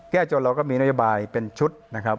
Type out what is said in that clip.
แก้จนเราก็มีนโยบายเป็นชุด